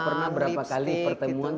pernah berapa kali pertemuan